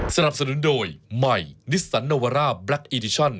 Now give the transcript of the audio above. สนับสนุนโดยใหม่นิสสันโนวาร่าแบล็คอีดิชั่น